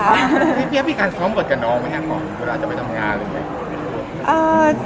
เตรียมมีการซ้อมบทกับน้องไหมครับพอเวลาจะไปทำงาน